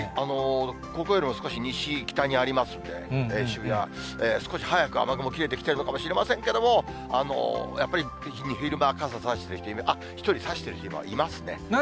ここよりも少し西、北にありますんで、渋谷、少し早く雨雲切れてきてるのかもしれませんけれども、やっぱり昼間傘差してる人、あっ、何人かいますね。